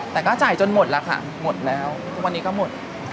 แต่ก็จ่ายจนหมดแล้วค่ะหมดแล้วทุกวันนี้ก็หมด